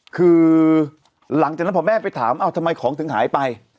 คือหลังจากนั้นพอแม่ไปถามทำไมของถึงหายไป